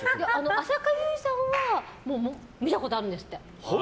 浅香唯さんは見たことあるんですって。